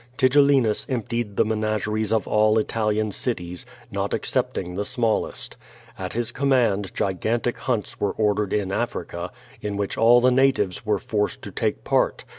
Tigellinus em])tied the menageries of all Italian cities, not excepting the smallest. At his command gigantic hunts 3So Q^^ VADTS. were ordered in Africa, in which all the natives were forced to take part.